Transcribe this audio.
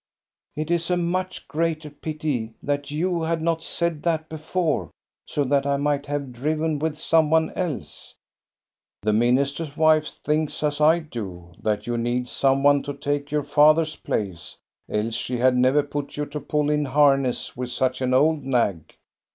" It is a much greater pity that you had not said that before, so that I might have driven with some one else." " The minister's wife thinks as I do, that you need some one to take your father's place ; else she had never put you to pull in harness with such an old nag."